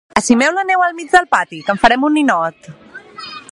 Acimeu la neu al mig del pati, que en farem un ninot.